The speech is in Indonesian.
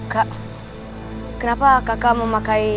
kak kenapa kakak memakai